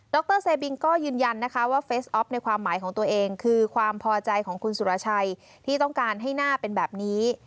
รเซบิงก็ยืนยันนะคะว่าเฟสออฟในความหมายของตัวเองคือความพอใจของคุณสุรชัยที่ต้องการให้หน้าเป็นแบบนี้